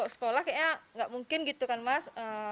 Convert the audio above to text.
sekolah kayaknya nggak mungkin gitu kan mas